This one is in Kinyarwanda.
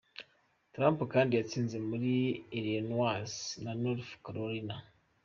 Trump kandi yatsinze muri Illinois na North Carolina.